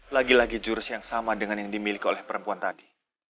lagi lagi jurus yang sama dengan yang dimiliki oleh perempuan tadi